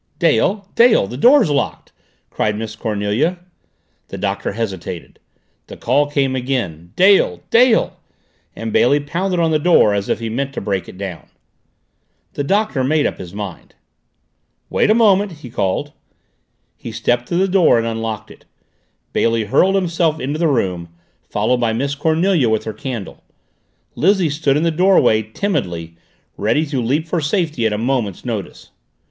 "Dale! Dale! The door's locked!" cried Miss Cornelia. The Doctor hesitated. The call came again. "Dale! Dale!" and Bailey pounded on the door as if he meant to break it down. The Doctor made up his mind. "Wait a moment!" he called. He stepped to the door and unlocked it. Bailey hurled himself into the room, followed by Miss Cornelia with her candle. Lizzie stood in the doorway, timidly, ready to leap for safety at a moment's notice.